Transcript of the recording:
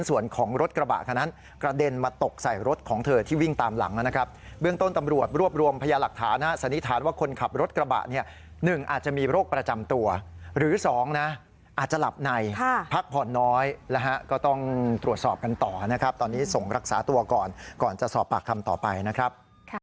วิ่งตามหลังนะครับเบื้องต้นตำรวจรวบรวมพญาหลักฐานสนิทานว่าคนขับรถกระบะเนี่ย๑อาจจะมีโรคประจำตัวหรือ๒อาจจะหลับในพักผ่อนน้อยก็ต้องตรวจสอบกันต่อนะครับตอนนี้ส่งรักษาตัวก่อนก่อนจะสอบปากคำต่อไปนะครับ